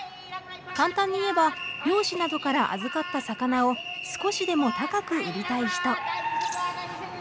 簡単に言えば漁師などから預かった魚を少しでも高く売りたい人。